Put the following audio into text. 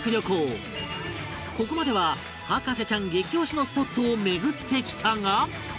ここまでは博士ちゃん激押しのスポットを巡ってきたが